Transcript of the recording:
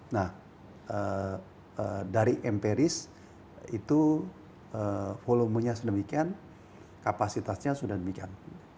nah dari emperis itu volumenya sedemikian kapasitasnya sudah demikian